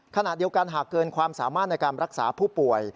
ขณะเดียวกันหากเกินความสามารถในการรักษาผู้ป่วย